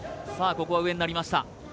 ここは上になりました